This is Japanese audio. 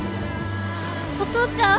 お父ちゃん？